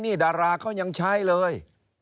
นี่ดาราเขายังใช้เลย